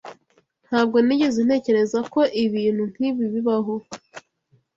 Ntabwo nigeze ntekereza ko ibintu nkibi bibaho